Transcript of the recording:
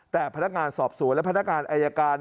แต่พนักงานสอบสวนและพนักงานอายการ